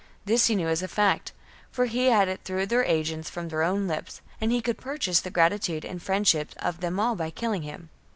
Thfs he knew as a fact, for he had it through their agents from their own lips ; and he could purchase the grati tude and friendship of them all by killing him.